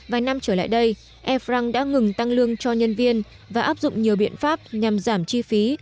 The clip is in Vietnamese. vài năm trở lại đây air franc đã ngừng tăng lương cho nhân viên và áp dụng nhiều biện pháp nhằm giảm chi phí